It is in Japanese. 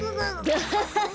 アハハハ！